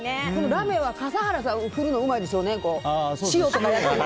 ラメは笠原さんが振るのうまいでしょうね。